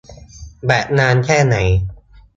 แบตนานแค่ไหน ?